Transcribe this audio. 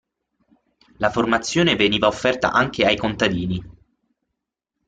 La formazione veniva offerta anche ai contadini.